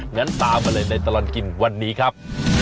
งั้นตามมาเลยในตลอดกินวันนี้ครับ